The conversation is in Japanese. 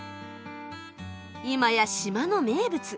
今や島の名物。